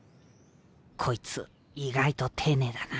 こいつ意外と丁寧だな。